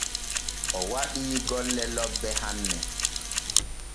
O waɗii golle lobbe hanne.